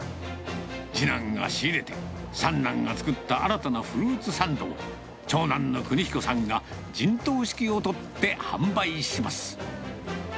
次男が仕入れて、三男が作った新たなフルーツサンドを、長男の州彦さんが陣頭指揮を執って販売します。